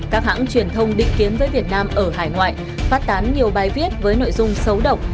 các hãng truyền thông định kiến với việt nam ở hải ngoại phát tán nhiều bài viết với nội dung xấu độc